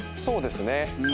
そうですね。